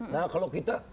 nah kalau kita